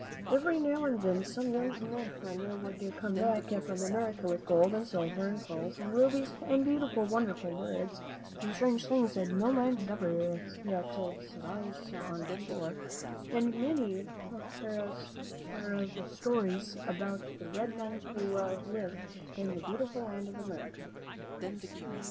Every now and then some young man would come back from America with gold, and silver, and pearls, and rubies, and beautiful, wonderful birds, and strange things that no man had ever set eyes on before ; and many were the stories about the red men who lived in the beautiful land of America.